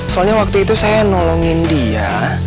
soalnya waktu itu saya nolongin dia